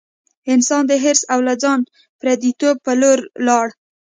انسان د حرص او له ځانه پردیتوب په لور لاړ.